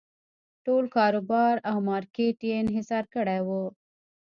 ټول کاروبار او مارکېټ یې انحصار کړی و.